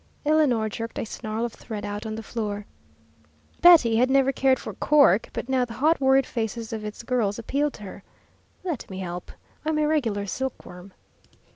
Eleanor jerked a snarl of thread out on the floor. Betty had never cared for "Cork" but now the hot worried faces of its girls appealed to her. "Let me help. I'm a regular silkworm."